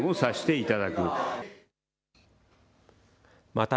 また、